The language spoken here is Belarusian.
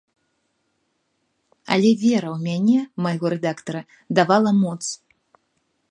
Але вера ў мяне майго рэдактара давала моц.